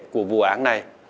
của vụ án này